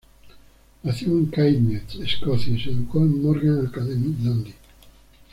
Nació en Caithness, Escocia, y se educó en Morgan Academy, Dundee.